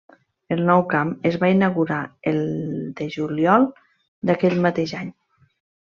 El nou camp es va inaugurar el de juliol d'aquell mateix any.